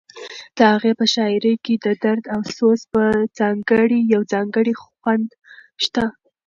د هغه په شاعرۍ کې د درد او سوز یو ځانګړی خوند شته.